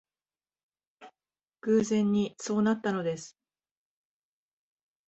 偶然にそうなったのです